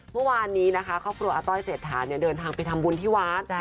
เมื่อวานนี้นะคะครอบครัวอาต้อยเศรษฐาเนี่ยเดินทางไปทำบุญที่วัด